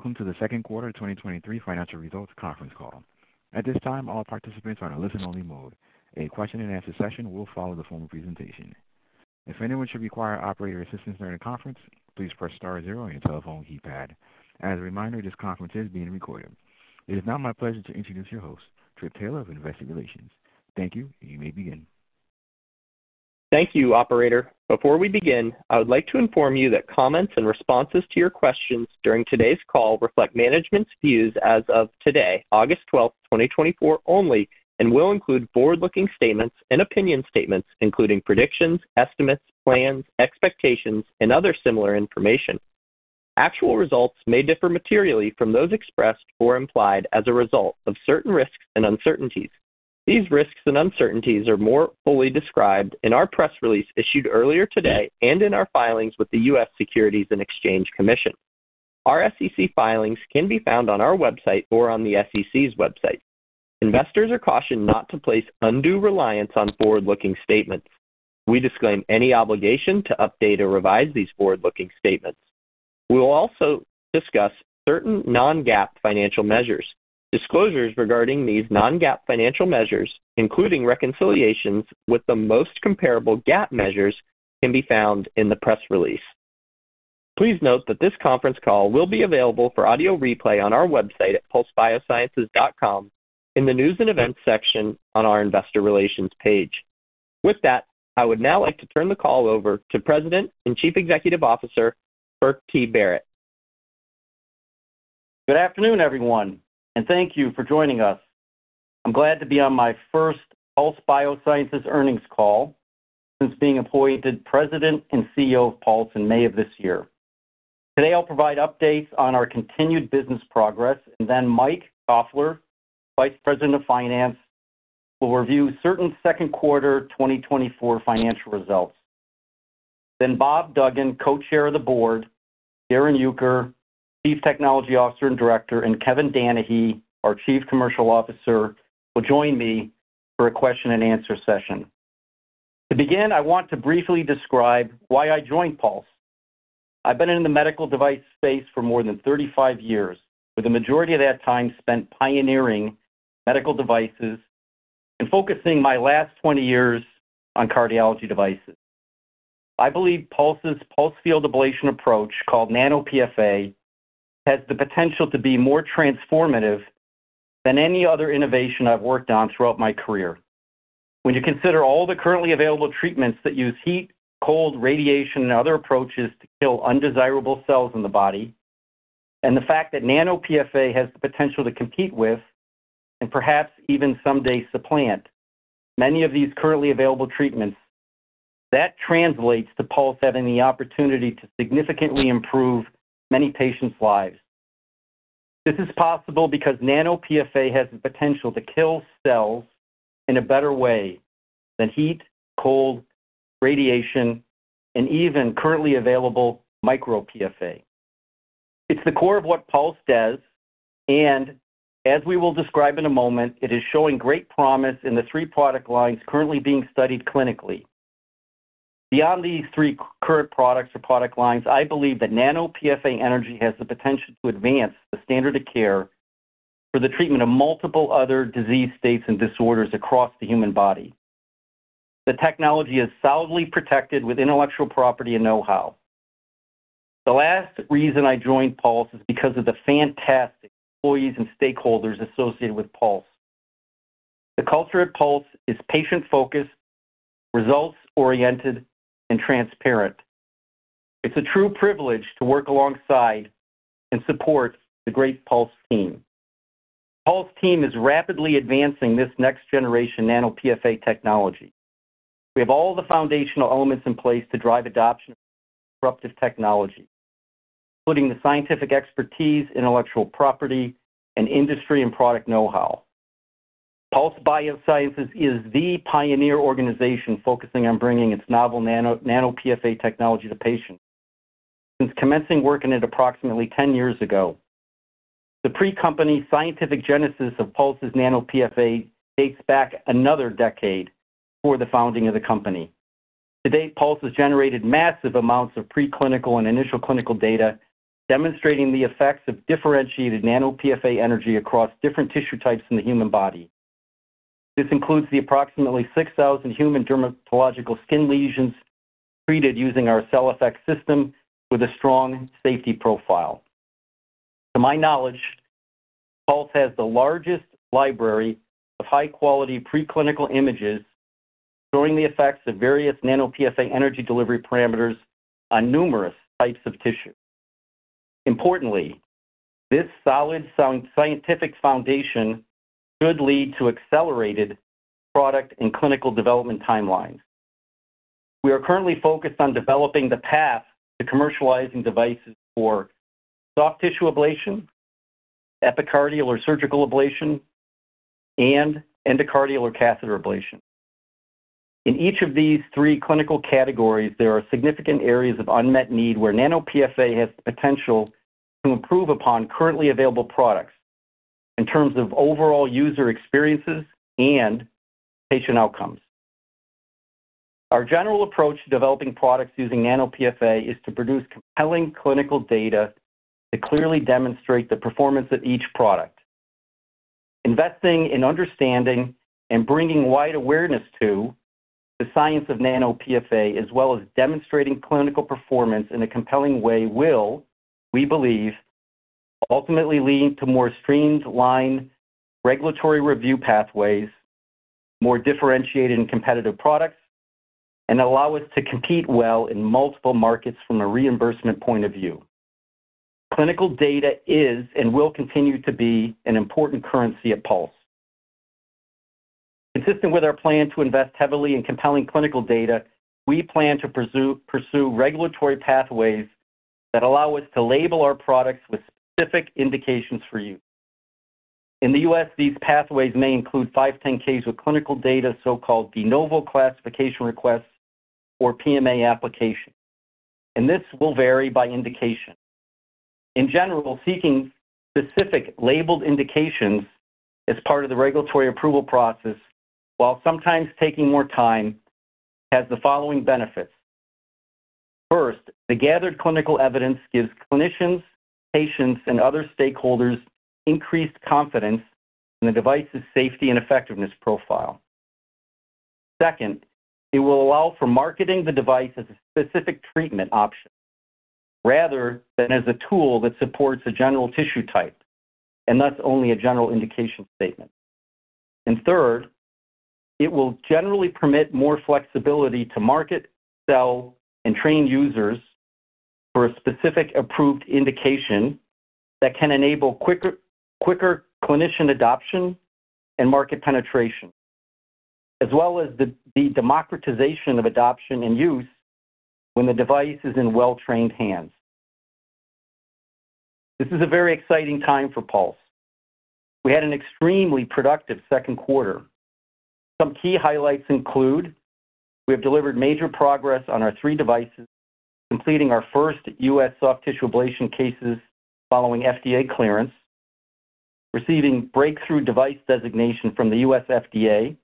Greetings, and welcome to the second quarter 2023 financial results conference call. At this time, all participants are in a listen-only mode. A question-and-answer session will follow the formal presentation. If anyone should require operator assistance during the conference, please press star zero on your telephone keypad. As a reminder, this conference is being recorded. It is now my pleasure to introduce your host, Trip Taylor, of Investor Relations. Thank you. You may begin. Thank you, operator. Before we begin, I would like to inform you that comments and responses to your questions during today's call reflect management's views as of today, August 12, 2024 only, and will include forward-looking statements and opinion statements, including predictions, estimates, plans, expectations, and other similar information. Actual results may differ materially from those expressed or implied as a result of certain risks and uncertainties. These risks and uncertainties are more fully described in our press release issued earlier today and in our filings with the U.S. Securities and Exchange Commission. Our SEC filings can be found on our website or on the SEC's website. Investors are cautioned not to place undue reliance on forward-looking statements. We disclaim any obligation to update or revise these forward-looking statements. We will also discuss certain non-GAAP financial measures. Disclosures regarding these non-GAAP financial measures, including reconciliations with the most comparable GAAP measures, can be found in the press release. Please note that this conference call will be available for audio replay on our website at pulsebiosciences.com in the News and Events section on our Investor Relations page. With that, I would now like to turn the call over to President and Chief Executive Officer, Burke T. Barrett. Good afternoon, everyone, and thank you for joining us. I'm glad to be on my first Pulse Biosciences earnings call since being appointed President and CEO of Pulse in May of this year. Today, I'll provide updates on our continued business progress, and then Mike Koffler, Vice President of Finance, will review certain second quarter 2024 financial results. Then Bob Duggan, Co-Chair of the Board, Darrin Uecker, Chief Technology Officer and Director, and Kevin Danahy, our Chief Commercial Officer, will join me for a question-and-answer session. To begin, I want to briefly describe why I joined Pulse. I've been in the medical device space for more than 35 years, with the majority of that time spent pioneering medical devices and focusing my last 20 years on cardiology devices. I believe Pulse's pulsed field ablation approach, called nano-PFA, has the potential to be more transformative than any other innovation I've worked on throughout my career. When you consider all the currently available treatments that use heat, cold, radiation, and other approaches to kill undesirable cells in the body, and the fact that nano-PFA has the potential to compete with and perhaps even someday supplant many of these currently available treatments, that translates to Pulse having the opportunity to significantly improve many patients' lives. This is possible because nano-PFA has the potential to kill cells in a better way than heat, cold, radiation, and even currently available micro PFA. It's the core of what Pulse does, and as we will describe in a moment, it is showing great promise in the three product lines currently being studied clinically. Beyond these three current products or product lines, I believe that nano-PFA energy has the potential to advance the standard of care for the treatment of multiple other disease states and disorders across the human body. The technology is solidly protected with intellectual property and know-how. The last reason I joined Pulse is because of the fantastic employees and stakeholders associated with Pulse. The culture at Pulse is patient-focused, results-oriented, and transparent. It's a true privilege to work alongside and support the great Pulse team. Pulse team is rapidly advancing this next generation nano-PFA technology. We have all the foundational elements in place to drive adoption of disruptive technology, including the scientific expertise, intellectual property, and industry and product know-how. Pulse Biosciences is the pioneer organization focusing on bringing its novel nano-PFA technology to patients since commencing work in it approximately 10 years ago. The pre-company scientific genesis of Pulse's nano-PFA dates back another decade before the founding of the company. Today, Pulse has generated massive amounts of preclinical and initial clinical data, demonstrating the effects of differentiated nano-PFA energy across different tissue types in the human body. This includes the approximately 6,000 human dermatological skin lesions treated using our CellFX system with a strong safety profile. To my knowledge, Pulse has the largest library of high-quality preclinical images showing the effects of various nano-PFA energy delivery parameters on numerous types of tissue. Importantly, this solid scientific foundation should lead to accelerated product and clinical development timelines. We are currently focused on developing the path to commercializing devices for soft tissue ablation, epicardial or surgical ablation, and endocardial or catheter ablation. In each of these three clinical categories, there are significant areas of unmet need, where nano-PFA has the potential to improve upon currently available products in terms of overall user experiences and patient outcomes. Our general approach to developing products using nano-PFA is to produce compelling clinical data to clearly demonstrate the performance of each product. Investing in understanding and bringing wide awareness to the science of nano-PFA, as well as demonstrating clinical performance in a compelling way, will, we believe, ultimately lead to more streamlined regulatory review pathways, more differentiated and competitive products, and allow us to compete well in multiple markets from a reimbursement point of view. Clinical data is and will continue to be an important currency at Pulse. Consistent with our plan to invest heavily in compelling clinical data, we plan to pursue regulatory pathways that allow us to label our products with specific indications for use. In the U.S., these pathways may include 510(k)s with clinical data, so-called de novo classification requests or PMA applications, and this will vary by indication. In general, seeking specific labeled indications as part of the regulatory approval process, while sometimes taking more time, has the following benefits. First, the gathered clinical evidence gives clinicians, patients, and other stakeholders increased confidence in the device's safety and effectiveness profile. Second, it will allow for marketing the device as a specific treatment option rather than as a tool that supports a general tissue type, and thus only a general indication statement. And third, it will generally permit more flexibility to market, sell, and train users for a specific approved indication that can enable quicker, quicker clinician adoption and market penetration, as well as the, the democratization of adoption and use when the device is in well-trained hands. This is a very exciting time for Pulse. We had an extremely productive second quarter. Some key highlights include: we have delivered major progress on our 3 devices, completing our first U.S. soft tissue ablation cases following FDA clearance, receiving breakthrough device designation from the U.S. FDA,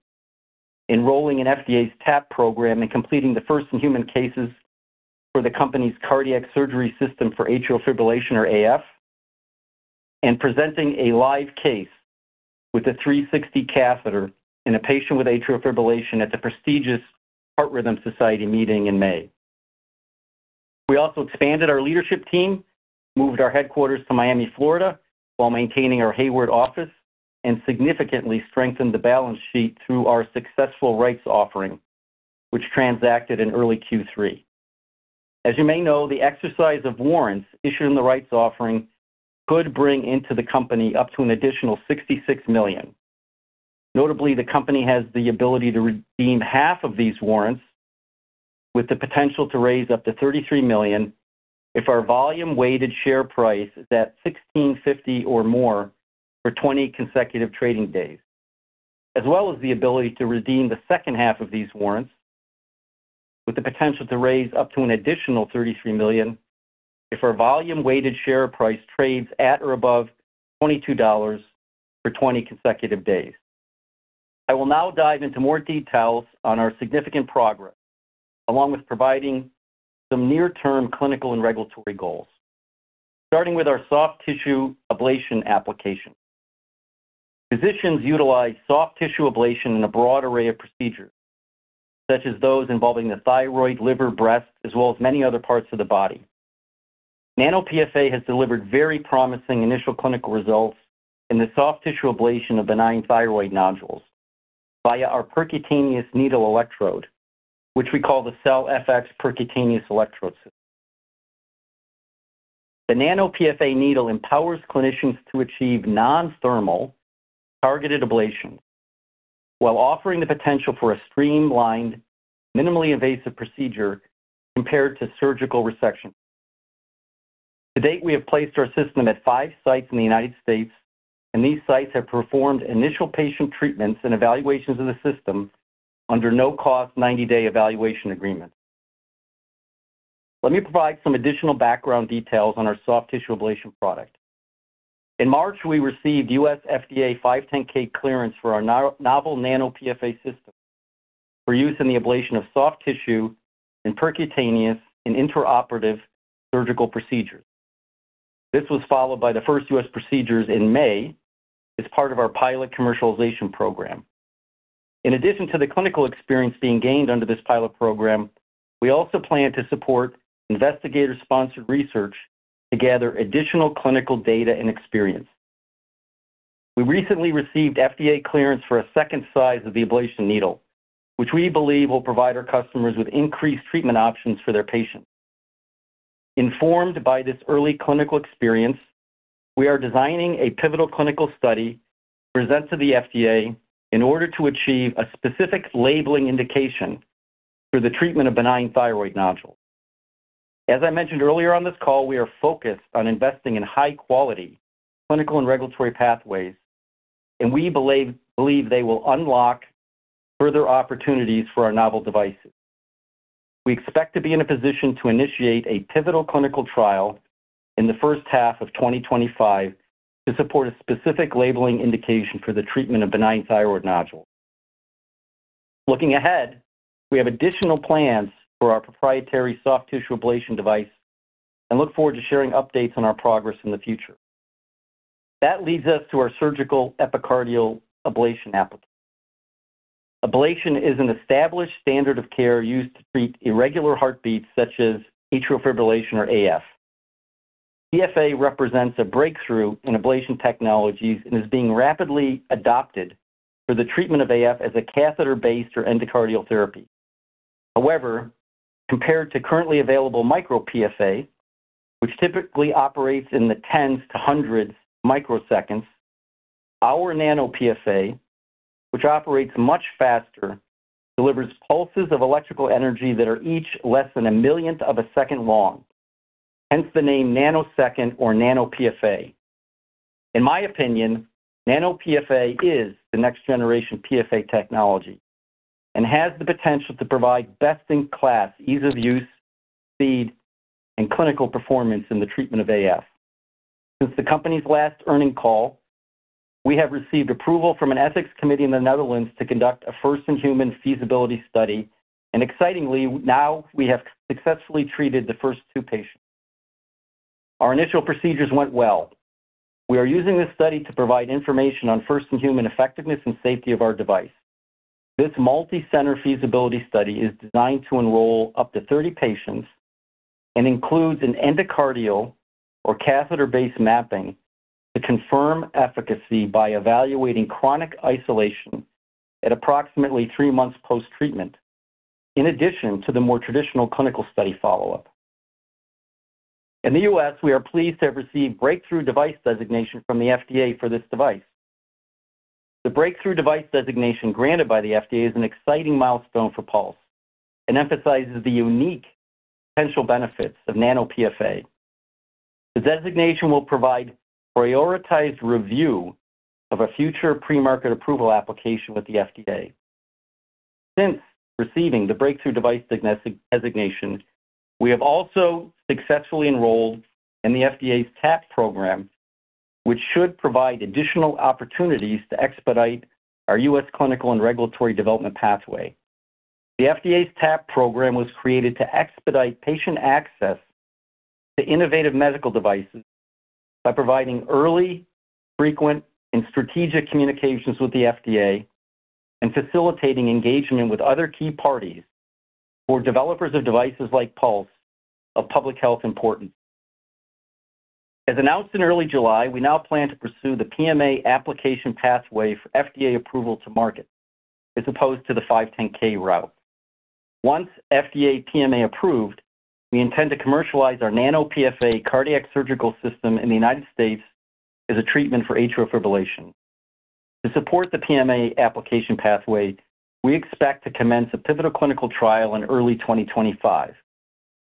enrolling in FDA's TAP program, and completing the first-in-human cases for the company's cardiac surgery system for atrial fibrillation, or AF, and presenting a live case with a 360 catheter in a patient with atrial fibrillation at the prestigious Heart Rhythm Society meeting in May. We also expanded our leadership team, moved our headquarters to Miami, Florida, while maintaining our Hayward office, and significantly strengthened the balance sheet through our successful rights offering, which transacted in early Q3. As you may know, the exercise of warrants issued in the rights offering could bring into the company up to an additional $66 million. Notably, the company has the ability to redeem half of these warrants, with the potential to raise up to $33 million if our volume-weighted share price is at $16.50 or more for 20 consecutive trading days, as well as the ability to redeem the second half of these warrants, with the potential to raise up to an additional $33 million if our volume-weighted share price trades at or above $22 for 20 consecutive days. I will now dive into more details on our significant progress, along with providing some near-term clinical and regulatory goals. Starting with our soft tissue ablation application. Physicians utilize soft tissue ablation in a broad array of procedures, such as those involving the thyroid, liver, breast, as well as many other parts of the body. nano-PFA has delivered very promising initial clinical results in the soft tissue ablation of benign thyroid nodules via our percutaneous needle electrode, which we call the CellFX Percutaneous Electrode System. The nano-PFA needle empowers clinicians to achieve non-thermal targeted ablation while offering the potential for a streamlined, minimally invasive procedure compared to surgical resection. To date, we have placed our system at five sites in the United States, and these sites have performed initial patient treatments and evaluations of the system under no-cost, 90-day evaluation agreements. Let me provide some additional background details on our soft tissue ablation product. In March, we received U.S. FDA 510(k) clearance for our novel nano-PFA system for use in the ablation of soft tissue in percutaneous and intraoperative surgical procedures. This was followed by the first U.S. procedures in May as part of our pilot commercialization program. In addition to the clinical experience being gained under this pilot program, we also plan to support investigator-sponsored research to gather additional clinical data and experience. We recently received FDA clearance for a second size of the ablation needle, which we believe will provide our customers with increased treatment options for their patients. Informed by this early clinical experience, we are designing a pivotal clinical study to present to the FDA in order to achieve a specific labeling indication for the treatment of benign thyroid nodules. As I mentioned earlier on this call, we are focused on investing in high-quality clinical and regulatory pathways, and we believe, believe they will unlock further opportunities for our novel devices. We expect to be in a position to initiate a pivotal clinical trial in the first half of 2025 to support a specific labeling indication for the treatment of benign thyroid nodules. Looking ahead, we have additional plans for our proprietary soft tissue ablation device and look forward to sharing updates on our progress in the future. That leads us to our surgical epicardial ablation application. Ablation is an established standard of care used to treat irregular heartbeats such as atrial fibrillation or AF. PFA represents a breakthrough in ablation technologies and is being rapidly adopted for the treatment of AF as a catheter-based or endocardial therapy. However, compared to currently available micro PFA, which typically operates in the 10s to 100s microseconds, our nano-PFA, which operates much faster, delivers pulses of electrical energy that are each less than a millionth of a second long, hence the name nanosecond or nano-PFA. In my opinion, nano-PFA is the next generation PFA technology and has the potential to provide best-in-class ease of use, speed, and clinical performance in the treatment of AF. Since the company's last earnings call, we have received approval from an ethics committee in the Netherlands to conduct a first-in-human feasibility study, and excitingly, now we have successfully treated the first two patients. Our initial procedures went well. We are using this study to provide information on first-in-human effectiveness and safety of our device. This multicenter feasibility study is designed to enroll up to 30 patients and includes an endocardial or catheter-based mapping to confirm efficacy by evaluating chronic isolation at approximately 3 months post-treatment, in addition to the more traditional clinical study follow-up. In the U.S., we are pleased to have received breakthrough device designation from the FDA for this device. The breakthrough device designation granted by the FDA is an exciting milestone for Pulse and emphasizes the unique potential benefits of nano-PFA. The designation will provide prioritized review of a future pre-market approval application with the FDA. Since receiving the breakthrough device designation, we have also successfully enrolled in the FDA's TAP program, which should provide additional opportunities to expedite our U.S. clinical and regulatory development pathway. The FDA's TAP program was created to expedite patient access to innovative medical devices by providing early, frequent, and strategic communications with the FDA and facilitating engagement with other key parties for developers of devices like Pulse of public health importance. As announced in early July, we now plan to pursue the PMA application pathway for FDA approval to market, as opposed to the 510(k) route. Once FDA PMA approved, we intend to commercialize our nano-PFA cardiac surgical system in the United States as a treatment for atrial fibrillation. To support the PMA application pathway, we expect to commence a pivotal clinical trial in early 2025.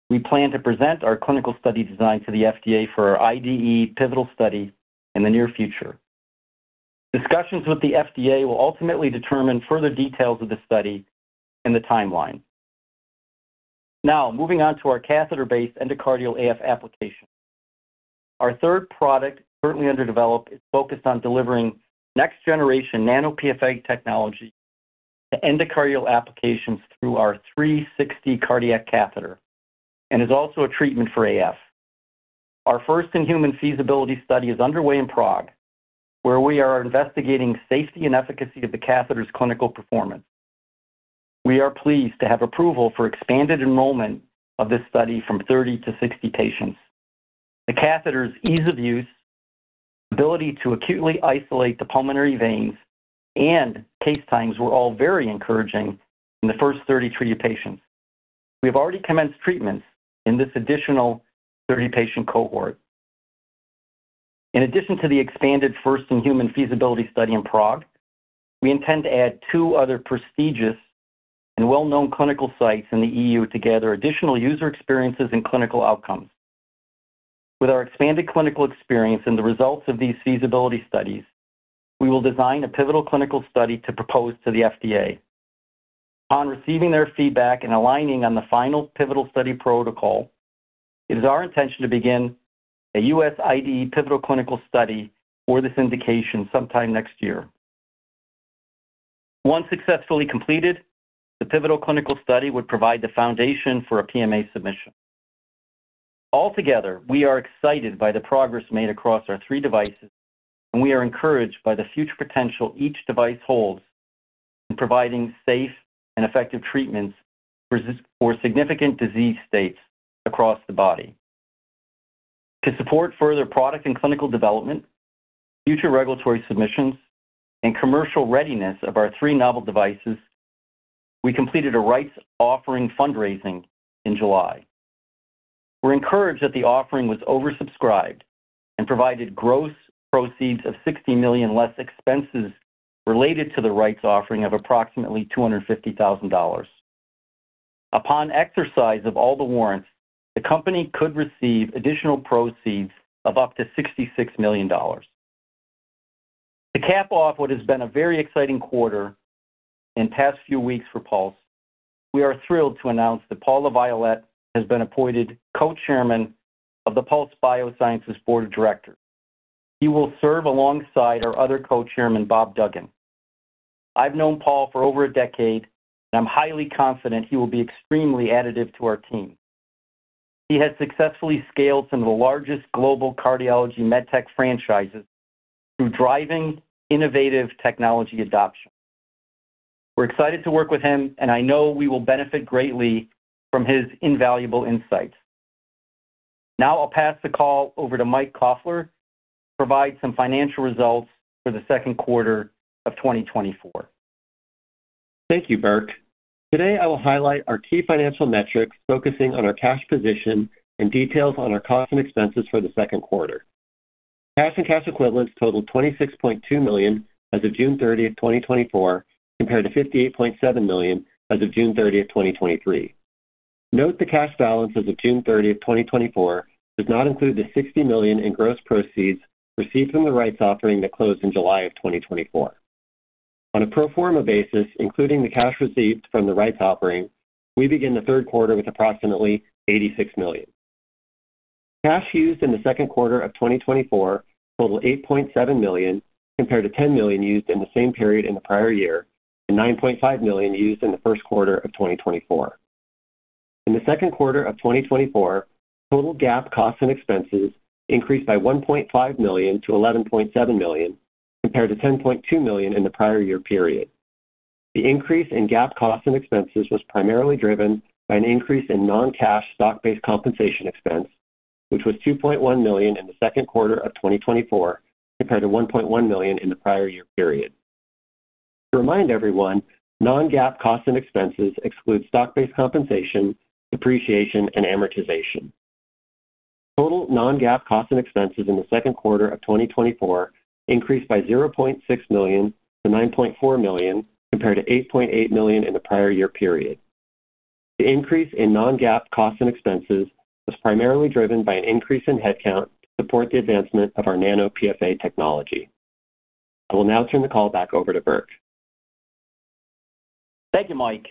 We plan to present our clinical study design to the FDA for our IDE pivotal study in the near future. Discussions with the FDA will ultimately determine further details of the study and the timeline. Now, moving on to our catheter-based endocardial AF application. Our third product, currently under development, is focused on delivering next-generation nano-PFA technology to endocardial applications through our 360 cardiac catheter and is also a treatment for AF. Our first-in-human feasibility study is underway in Prague, where we are investigating safety and efficacy of the catheter's clinical performance. We are pleased to have approval for expanded enrollment of this study from 30 to 60 patients. The catheter's ease of use, ability to acutely isolate the pulmonary veins, and case times were all very encouraging in the first 30 treated patients. We have already commenced treatments in this additional 30-patient cohort. In addition to the expanded first-in-human feasibility study in Prague, we intend to add two other prestigious and well-known clinical sites in the EU to gather additional user experiences and clinical outcomes. With our expanded clinical experience and the results of these feasibility studies, we will design a pivotal clinical study to propose to the FDA. Upon receiving their feedback and aligning on the final pivotal study protocol, it is our intention to begin a U.S. IDE pivotal clinical study for this indication sometime next year. Once successfully completed, the pivotal clinical study would provide the foundation for a PMA submission. Altogether, we are excited by the progress made across our three devices, and we are encouraged by the future potential each device holds in providing safe and effective treatments for significant disease states across the body. To support further product and clinical development, future regulatory submissions, and commercial readiness of our three novel devices, we completed a rights offering fundraising in July. We're encouraged that the offering was oversubscribed and provided gross proceeds of $60 million less expenses related to the rights offering of approximately $250,000. Upon exercise of all the warrants, the company could receive additional proceeds of up to $66 million. To cap off what has been a very exciting quarter and past few weeks for Pulse, we are thrilled to announce that Paul LaViolette has been appointed Co-chairman of the Pulse Biosciences Board of Directors. He will serve alongside our other co-chairman, Bob Duggan. I've known Paul for over a decade, and I'm highly confident he will be extremely additive to our team. He has successfully scaled some of the largest global cardiology med tech franchises through driving innovative technology adoption. We're excited to work with him, and I know we will benefit greatly from his invaluable insights. Now I'll pass the call over to Mike Koffler to provide some financial results for the second quarter of 2024. Thank you, Burke. Today, I will highlight our key financial metrics, focusing on our cash position and details on our costs and expenses for the second quarter. Cash and cash equivalents totaled $26.2 million as of June 30, 2024, compared to $58.7 million as of June 30, 2023. Note, the cash balance as of June 30, 2024, does not include the $60 million in gross proceeds received from the rights offering that closed in July of 2024. On a pro forma basis, including the cash received from the rights offering, we begin the third quarter with approximately $86 million. Cash used in the second quarter of 2024 totaled $8.7 million, compared to $10 million used in the same period in the prior-year, and $9.5 million used in the first quarter of 2024. In the second quarter of 2024, total GAAP costs and expenses increased by $1.5 million to $11.7 million, compared to $10.2 million in the prior-year period. The increase in GAAP costs and expenses was primarily driven by an increase in non-cash stock-based compensation expense, which was $2.1 million in the second quarter of 2024, compared to $1.1 million in the prior-year period. To remind everyone, non-GAAP costs and expenses exclude stock-based compensation, depreciation, and amortization. Total non-GAAP costs and expenses in the second quarter of 2024 increased by $0.6 million to $9.4 million, compared to $8.8 million in the prior-year period. The increase in non-GAAP costs and expenses was primarily driven by an increase in headcount to support the advancement of our nano-PFA technology. I will now turn the call back over to Burke. Thank you, Mike.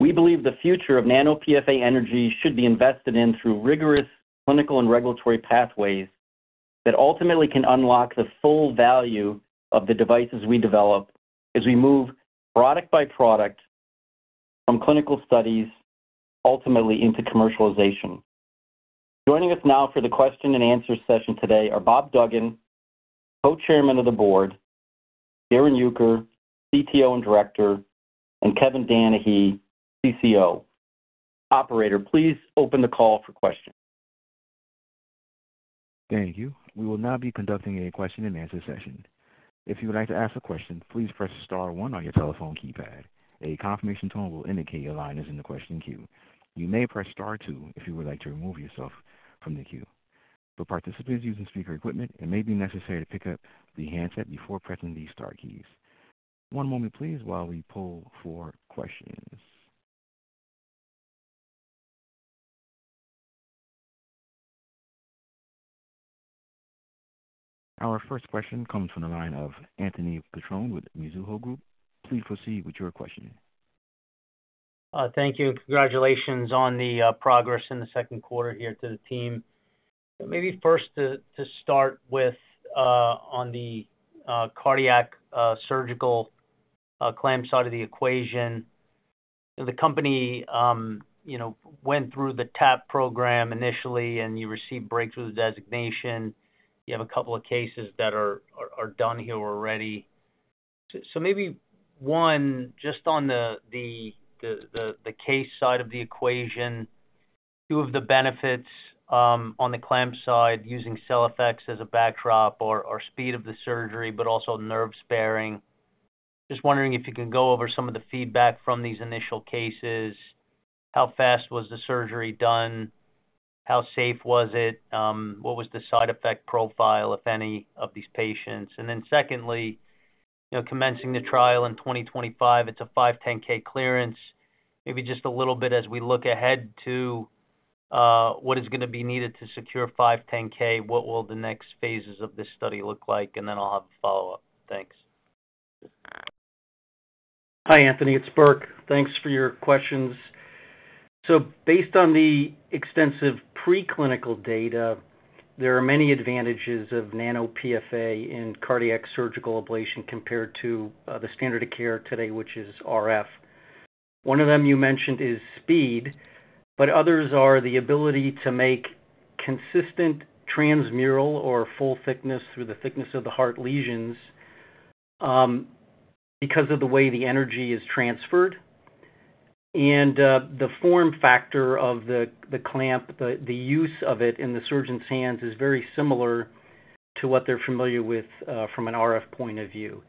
We believe the future of nano-PFA energy should be invested in through rigorous clinical and regulatory pathways that ultimately can unlock the full value of the devices we develop as we move product by product from clinical studies, ultimately into commercialization. Joining us now for the question and answer session today are Bob Duggan, Co-Chairman of the Board, Darrin Uecker, CTO and Director, and Kevin Danahy, CCO. Operator, please open the call for questions. Thank you. We will now be conducting a question-and-answer session. If you would like to ask a question, please press star one on your telephone keypad. A confirmation tone will indicate your line is in the question queue. You may press star two if you would like to remove yourself from the queue. For participants using speaker equipment, it may be necessary to pick up the handset before pressing the star keys. One moment, please, while we pull for questions. Our first question comes from the line of Anthony Petrone with Mizuho Group. Please proceed with your questioning. Thank you, and congratulations on the progress in the second quarter here to the team. Maybe first to start with, on the cardiac surgical clamp side of the equation. The company, you know, went through the TAP program initially, and you received breakthrough designation. You have a couple of cases that are done here already. So maybe, one, just on the case side of the equation, two of the benefits, on the clamp side, using CellFX as a backdrop or speed of the surgery, but also nerve-sparing. Just wondering if you can go over some of the feedback from these initial cases. How fast was the surgery done? How safe was it? What was the side effect profile, if any, of these patients? And then secondly, you know, commencing the trial in 2025, it's a 510(k) clearance. Maybe just a little bit as we look ahead to what is going to be needed to secure 510(k), what will the next phases of this study look like? And then I'll have a follow-up. Thanks. Hi, Anthony. It's Burke. Thanks for your questions. So based on the extensive preclinical data, there are many advantages of nano-PFA in cardiac surgical ablation compared to the standard of care today, which is RF. One of them you mentioned is speed, but others are the ability to make consistent transmural or full thickness through the thickness of the heart lesions because of the way the energy is transferred. And the form factor of the clamp, the use of it in the surgeon's hands is very similar to what they're familiar with from an RF point of view.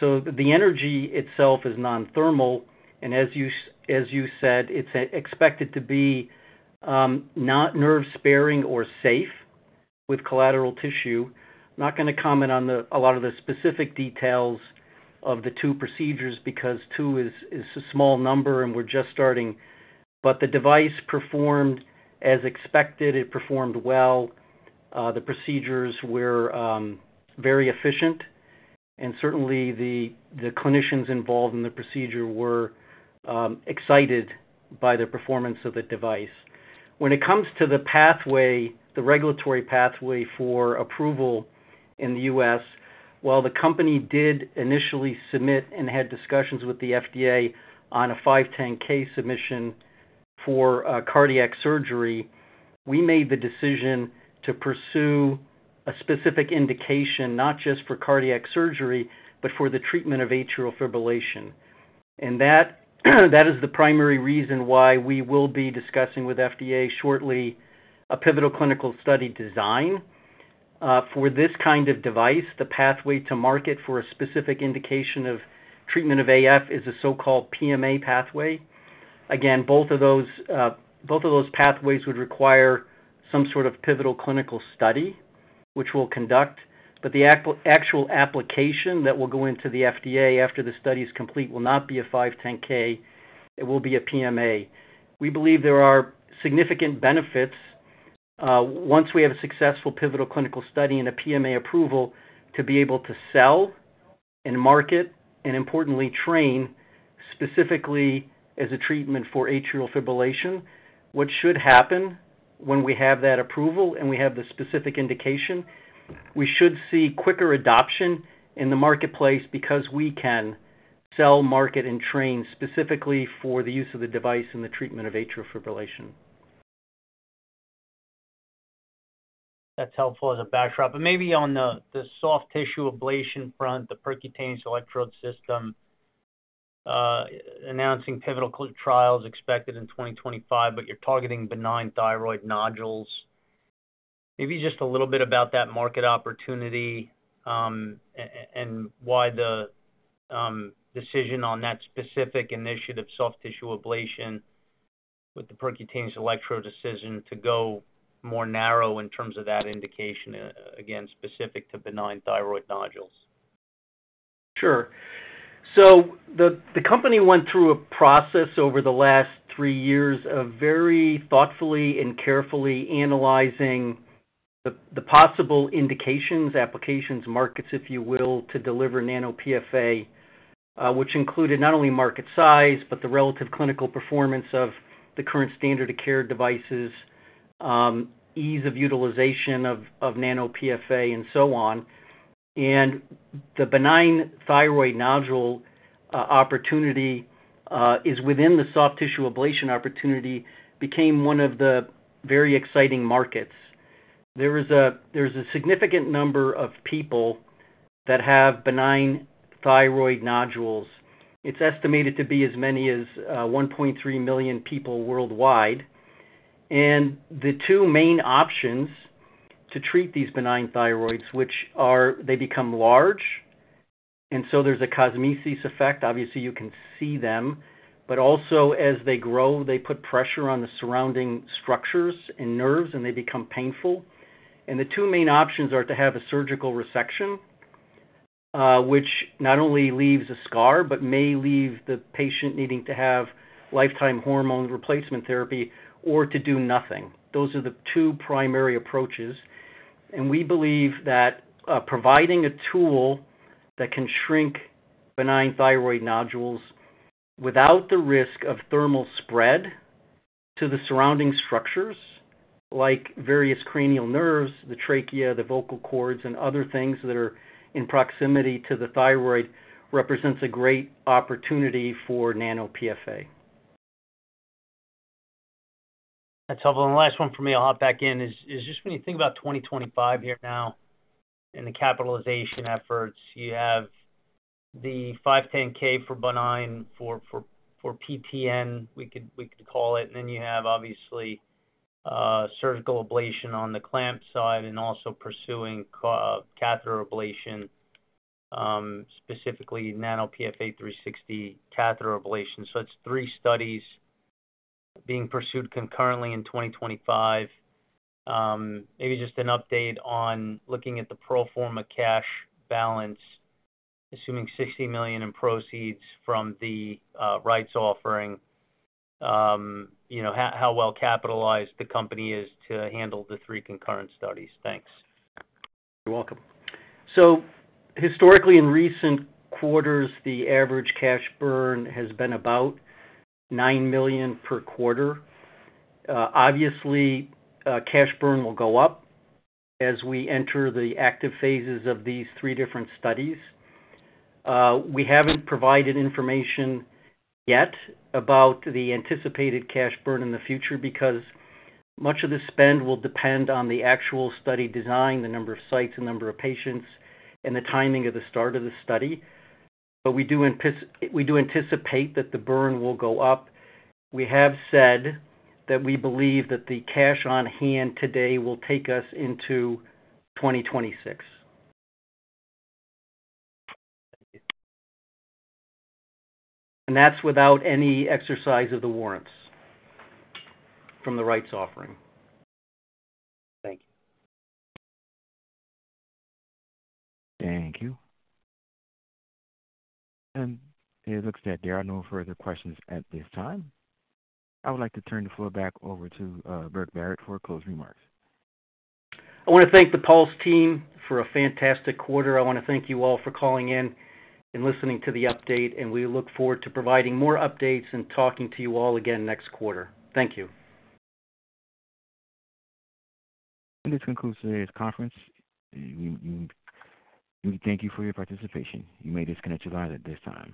So the energy itself is non-thermal, and as you said, it's expected to be not nerve sparing or safe with collateral tissue. Not going to comment on a lot of the specific details. Of the two procedures, because two is a small number, and we're just starting. But the device performed as expected. It performed well. The procedures were very efficient, and certainly, the clinicians involved in the procedure were excited by the performance of the device. When it comes to the pathway, the regulatory pathway for approval in the U.S., while the company did initially submit and had discussions with the FDA on a 510(k) submission for cardiac surgery, we made the decision to pursue a specific indication, not just for cardiac surgery, but for the treatment of atrial fibrillation. And that is the primary reason why we will be discussing with FDA shortly, a pivotal clinical study design for this kind of device. The pathway to market for a specific indication of treatment of AF is a so-called PMA pathway. Again, both of those, both of those pathways would require some sort of pivotal clinical study, which we'll conduct, but the actual application that will go into the FDA after the study is complete, will not be a 510(k), it will be a PMA. We believe there are significant benefits, once we have a successful pivotal clinical study and a PMA approval, to be able to sell and market, and importantly, train specifically as a treatment for atrial fibrillation. What should happen when we have that approval and we have the specific indication, we should see quicker adoption in the marketplace because we can sell, market, and train specifically for the use of the device in the treatment of atrial fibrillation. That's helpful as a backdrop, but maybe on the soft tissue ablation front, the percutaneous electrode system, announcing pivotal trials expected in 2025, but you're targeting benign thyroid nodules. Maybe just a little bit about that market opportunity, and why the decision on that specific initiative, soft tissue ablation, with the percutaneous electrode decision to go more narrow in terms of that indication, again, specific to benign thyroid nodules? Sure. So the company went through a process over the last three years of very thoughtfully and carefully analyzing the possible indications, applications, markets, if you will, to deliver nano-PFA, which included not only market size, but the relative clinical performance of the current standard of care devices, ease of utilization of nano-PFA, and so on. And the benign thyroid nodule opportunity is within the soft tissue ablation opportunity, became one of the very exciting markets. There's a significant number of people that have benign thyroid nodules. It's estimated to be as many as 1.3 million people worldwide. And the two main options to treat these benign thyroids, which become large, and so there's a cosmesis effect. Obviously, you can see them, but also as they grow, they put pressure on the surrounding structures and nerves, and they become painful. The two main options are to have a surgical resection, which not only leaves a scar, but may leave the patient needing to have lifetime hormone replacement therapy or to do nothing. Those are the two primary approaches, and we believe that, providing a tool that can shrink benign thyroid nodules without the risk of thermal spread to the surrounding structures, like various cranial nerves, the trachea, the vocal cords, and other things that are in proximity to the thyroid, represents a great opportunity for nano-PFA. That's helpful. The last one for me, I'll hop back in, is just when you think about 2025 here now in the capitalization efforts, you have the 510(k) for benign, for PPN, we could call it, and then you have, obviously, surgical ablation on the clamp side and also pursuing catheter ablation, specifically nano-PFA 360 catheter ablation. So it's three studies being pursued concurrently in 2025. Maybe just an update on looking at the pro forma cash balance, assuming $60 million in proceeds from the rights offering, you know, how well capitalized the company is to handle the three concurrent studies? Thanks. You're welcome. So historically, in recent quarters, the average cash burn has been about $9 million per quarter. Obviously, cash burn will go up as we enter the active phases of these three different studies. We haven't provided information yet about the anticipated cash burn in the future, because much of the spend will depend on the actual study design, the number of sites, the number of patients, and the timing of the start of the study. But we do anticipate that the burn will go up. We have said that we believe that the cash on hand today will take us into 2026. Thank you. That's without any exercise of the warrants from the rights offering. Thank you. Thank you. It looks that there are no further questions at this time. I would like to turn the floor back over to Burke Barrett for closing remarks. I want to thank the Pulse team for a fantastic quarter. I want to thank you all for calling in and listening to the update, and we look forward to providing more updates and talking to you all again next quarter. Thank you. This concludes today's conference. We thank you for your participation. You may disconnect your line at this time.